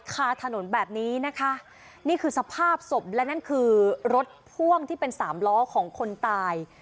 คาถนนแบบนี้นะคะนี่คือสภาพศพและนั่นคือรถพ่วงที่เป็นสามล้อของคนตาย